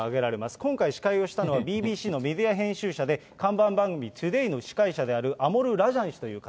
今回、司会をしたのは、ＢＢＣのメディア編集者で、看板番組、ＴＯＤＡＹの司会者であるアモル・ラジャン氏という方。